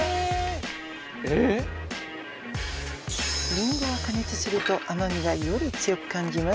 リンゴは加熱すると甘みがより強く感じます。